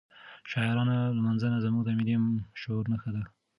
د شاعرانو لمانځنه زموږ د ملي شعور نښه ده.